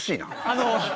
あの！